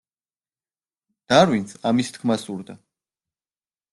დარვინს ამის თქმა სურდა.